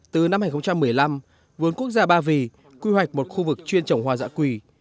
từ năm hai nghìn một mươi năm vườn quốc gia ba vì quy hoạch một khu vực chuyên trồng hoa dã quỳ